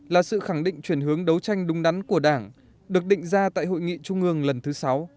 là sự khẳng định chuyển hướng đấu tranh đúng đắn của đảng được định ra tại hội nghị trung ương lần thứ sáu